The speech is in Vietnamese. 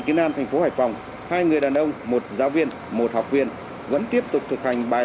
kiến an thành phố hải phòng hai người đàn ông một giáo viên một học viên vẫn tiếp tục thực hành bài